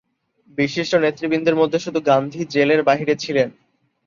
বিশিষ্ট নেতৃবৃন্দের মধ্যে শুধু গান্ধী জেলের বাইরে ছিলেন।